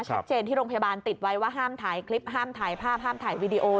ชัดเจนที่โรงพยาบาลติดไว้ว่าห้ามถ่ายคลิปห้ามถ่ายภาพห้ามถ่ายวีดีโอ